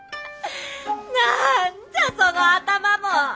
何じゃその頭も。